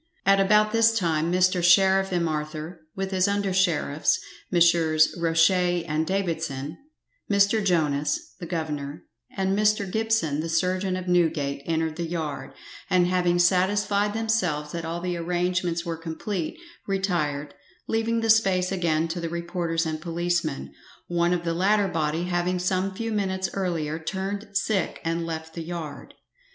At about this time Mr Sheriff M'Arthur, with his under sheriffs, Messrs Roche and Davidson Mr. Jonas, the governor; and Mr. Gibson, the surgeon of Newgate, entered the yard, and having satisfied themselves that all the arrangements were complete, retired, leaving the space again to the reporters and policemen, one of the latter body having some few minutes earlier turned sick and left the yard.